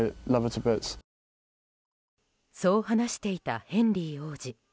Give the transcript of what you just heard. そう話していたヘンリー王子。